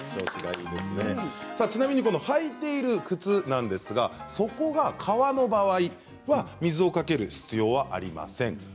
ちなみに履いている靴なんですが底が革の場合水をかける必要はありません。